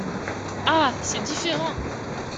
Ah ! c’est différent.